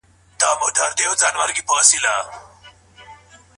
پاڼه په هر ګل کې ځلیږي.